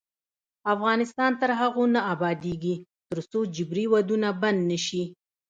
افغانستان تر هغو نه ابادیږي، ترڅو جبري ودونه بند نشي.